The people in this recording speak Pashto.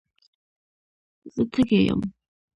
زه تږي یم.